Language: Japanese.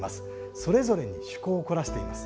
それぞれに趣向を凝らしています。